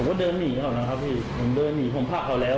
ผมก็เดินหนีครับครับพี่ผมเดินหนีผมพักเขาแล้ว